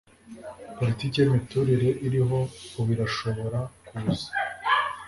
Politiki yimiturire iriho ubu irashobora kuza